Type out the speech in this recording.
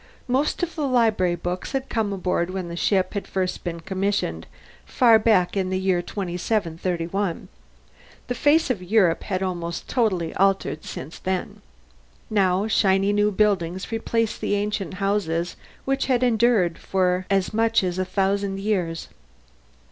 Most of the library books had come aboard when the ship had first been commissioned, far back in the year 2731. The face of Europe had almost totally altered since then. Now, shiny new buildings replaced the ancient houses which had endured for as much as a thousand years.